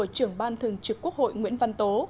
trưởng ban thường trực quốc hội nguyễn văn tố